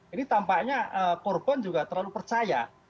ini tampaknya korban juga terlalu percaya